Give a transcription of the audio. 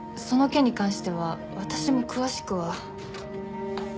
その件に関しては私も詳しくは。